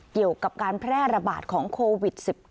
เกี่ยวกับการแพร่ระบาดของโควิด๑๙